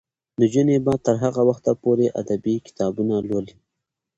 نجونې به تر هغه وخته پورې ادبي کتابونه لولي.